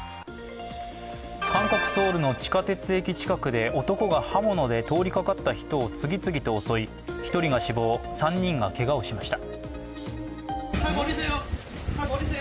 韓国・ソウルの地下鉄駅近くで男が刃物で通りかかった人を次々と襲い１人が死亡、３人がけがをしました。